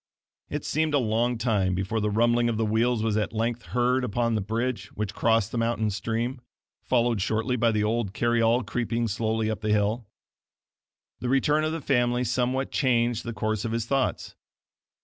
It seemed a long time before the rumbling of the wheels was at length heard upon the bridge which crossed the mountain stream, followed shortly by the old carry all creeping slowly up the hill. The return of the family somewhat changed the course of his thoughts.